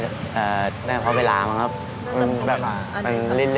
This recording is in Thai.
เราก็ย้ายโรงเรียนเลย